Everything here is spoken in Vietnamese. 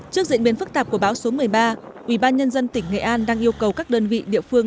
trước diễn biến phức tạp của báo số một mươi ba ubnd tỉnh nghệ an đang yêu cầu các đơn vị địa phương